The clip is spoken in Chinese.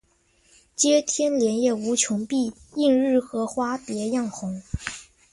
接天莲叶无穷碧，映日荷花别样红。